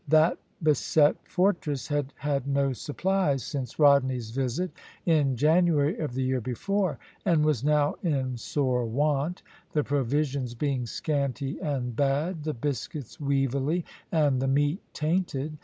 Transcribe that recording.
That beset fortress had had no supplies since Rodney's visit, in January of the year before, and was now in sore want, the provisions being scanty and bad, the biscuits weevilly, and the meat tainted.